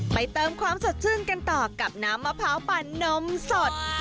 เติมความสดชื่นกันต่อกับน้ำมะพร้าวปั่นนมสด